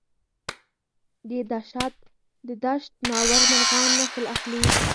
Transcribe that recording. د دشت ناور مرغان نسل اخلي؟